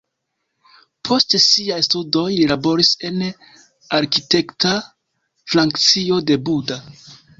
Post siaj studoj li laboris en arkitekta frakcio de Buda.